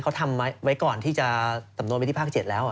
เขาทำไว้ก่อนที่จะสำนวนไปที่ภาค๗แล้ว